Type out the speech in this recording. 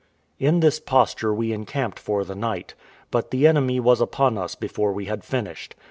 In this posture we encamped for the night; but the enemy was upon us before we had finished.